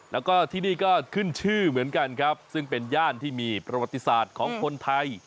แล้วก็ที่นี่ก็ขึ้นชื่อเหมือนกันครับซึ่งเป็นย่านที่มีประวัติศาสตร์ของคนไทย